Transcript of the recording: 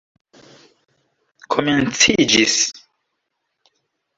komenciĝis